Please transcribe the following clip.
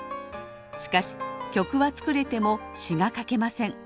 しかし曲は作れても詞が書けません。